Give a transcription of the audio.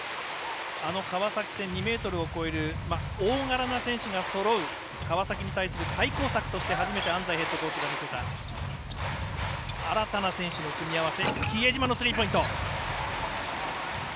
あの川崎戦、２ｍを超える大柄な選手がそろう川崎に対する対抗策として初めて安齋ヘッドコーチが見せた新たな選手の組み合わせ。